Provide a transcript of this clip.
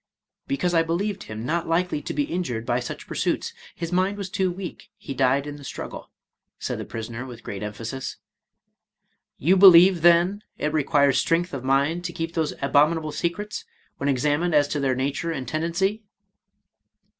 "—*' Because I believed him not: likely to be injured by such pursuits; his mind was too weak, — he died in the struggle," said the prisoner with great em phasis. " You believe, then, it requires strength of mind to keep those abominable secrets, when examined as to their nature and tendency?"